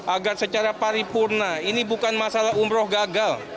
agar secara paripurna ini bukan masalah umroh gagal